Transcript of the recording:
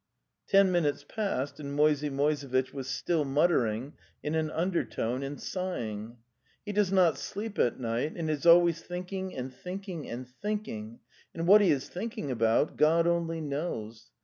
Ten minutes passed and Moisey Moisevitch was still muttering in an undertone and sighing: 'He does not sleep at night, and is always think ing and thinking and thinking, and what he is think ing about God only knows.